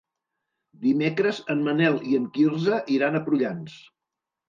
Dimecres en Manel i en Quirze iran a Prullans.